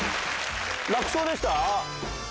楽勝でした？